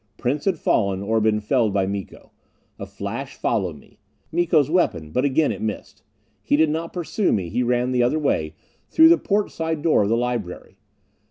Prince had fallen, or been felled by Miko. A flash followed me. Miko's weapon, but again it missed. He did not pursue me; he ran the other way, through the port side door of the library.